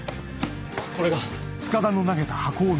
これが。